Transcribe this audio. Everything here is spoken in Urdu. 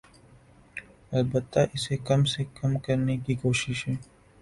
البتہ اسے کم سے کم کرنے کی کوششیں